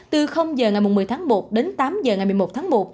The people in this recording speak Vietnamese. từ giờ ngày một mươi tháng một đến tám h ngày một mươi một tháng một